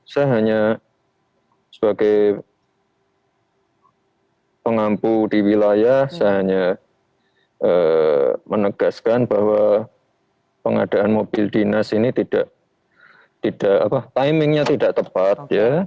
saya hanya sebagai pengampu di wilayah saya hanya menegaskan bahwa pengadaan mobil dinas ini tidak timingnya tidak tepat